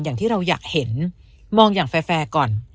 อย่างที่เราอยากเห็นมองอย่างแฟร์ก่อน